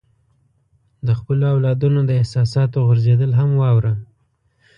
د خپلو اولادونو د احساساتو غورځېدل هم واوره.